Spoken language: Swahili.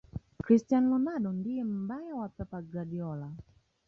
cristiano ronaldo ndiye mbaya wa pep guardiola